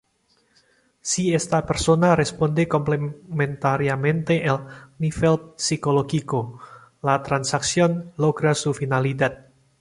Si esta persona responde complementariamente al nivel psicológico, la transacción logra su finalidad.